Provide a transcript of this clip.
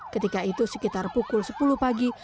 ketika itu sekitar pukul sepuluh pagi